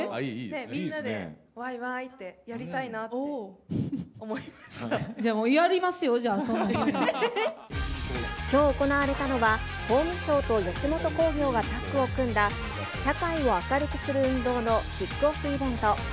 みんなでわいわいってやりたじゃあもう、やりますよ、きょう行われたのは、法務省と吉本興業がタッグを組んだ社会を明るくする運動のキックオフイベント。